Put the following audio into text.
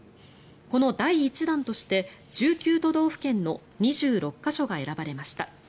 この第１弾として１９都道府県の２６か所が選ばれました。